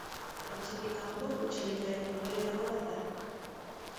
Etxetik kanpo huts egitearen ondorioetako bat da.